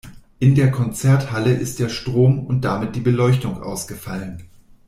In der Konzerthalle ist der Strom und damit die Beleuchtung ausgefallen.